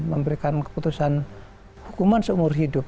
memberikan keputusan hukuman seumur hidup